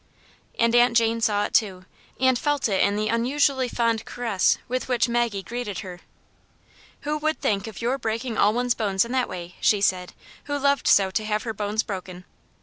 And Aunt Jane saw it too, and felt it in the un usually fond caress with which Maggie greeted her. Who would think of your breaking all one's bones in that way," she said, who loved so to have her bones broken.